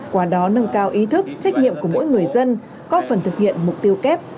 qua đó nâng cao ý thức trách nhiệm của mỗi người dân có phần thực hiện mục tiêu kép